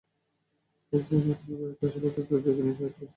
এতে সেন্ট মার্টিনে বেড়াতে আসা পর্যটকদের ঝুঁকি নিয়ে জাহাজে ওঠানামা করতে হয়।